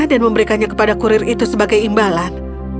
dan memberikannya kepada kurir itu sebagai imbalan